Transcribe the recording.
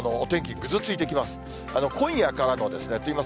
ぐずついてきます。